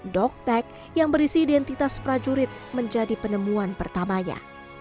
dog tag yang berisi identitas prajurit menjadi penemuan pertamanya